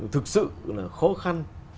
thực sự là khó khăn